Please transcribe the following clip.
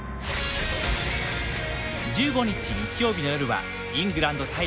１５日日曜日の夜はイングランド対フィジー。